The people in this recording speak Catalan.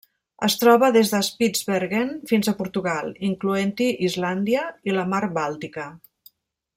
Es troba des de Spitzbergen fins a Portugal, incloent-hi Islàndia i la Mar Bàltica.